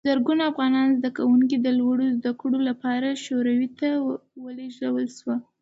زرګونه افغان زدکوونکي د لوړو زده کړو لپاره شوروي ته ولېږل شول.